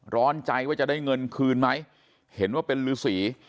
ร้อนใจว่าจะได้เงินคืนไหมเห็นว่าเป็นฤษี